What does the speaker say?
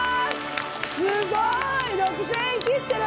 すごい！６０００円切ってる。